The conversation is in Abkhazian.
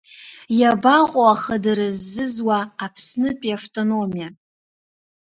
Иабаҟо ахадара ззызуа Аԥснытәи автономиа?